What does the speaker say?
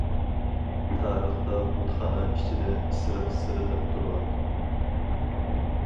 تارىختا بۇتخانا ئىچىدە ئىسرىق سېلىنىپ تۇرغان.